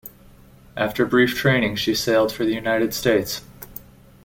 After brief training she sailed for the United States.